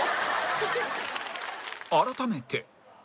改めて